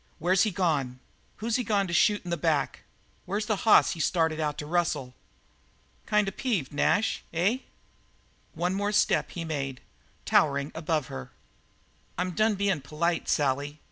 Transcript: Where's he gone? Who's he gone to shoot in the back? Where's the hoss he started out to rustle?" "Kind of peeved, Nash, eh?" One step more he made, towering above her. "I've done bein' polite, Sally.